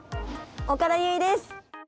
岡田結実です。